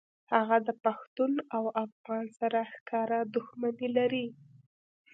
هغه د پښتون او افغان سره ښکاره دښمني لري